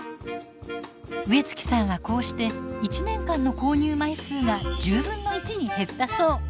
植月さんはこうして１年間の購入枚数が１０分の１に減ったそう。